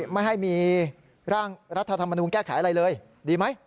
ไม่ให้มีร่างรัฐธรรมนูลแก้ไขอะไรเลยดีไหม